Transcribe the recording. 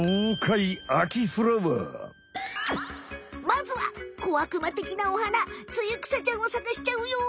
まずは小悪魔てきなお花ツユクサちゃんをさがしちゃうよ。